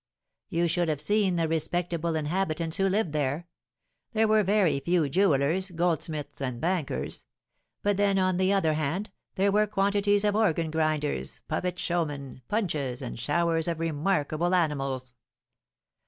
You should have seen the respectable inhabitants who lived there! There were very few jewellers, goldsmiths, and bankers; but then, on the other hand, there were quantities of organ grinders, puppet showmen, punches, and showers of remarkable animals.